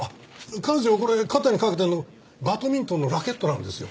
彼女がこれ肩にかけてるのバドミントンのラケットなんですよ。